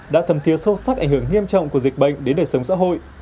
đã thầm thiế sâu sắc ảnh hưởng nghiêm trọng của dịch bệnh đến đời sống xã hội